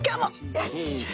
よし！